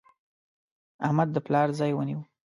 احمد د پلار ځای ونیو.